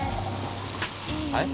はい？